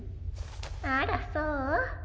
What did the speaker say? あらそう？